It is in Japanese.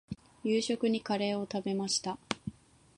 夕食にカレーを食べました。